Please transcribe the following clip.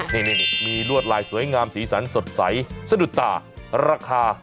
นี่ไงนี่ไงดูรวดลายสวยงามสีสันสดใสซะดุต่ารัคคะ